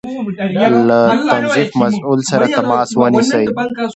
له تنظيف مسؤل سره تماس ونيسئ